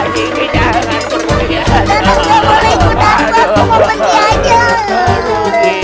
gigi jangan pergi